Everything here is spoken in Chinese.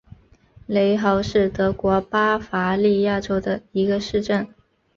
雷豪是德国巴伐利亚州的一个市镇。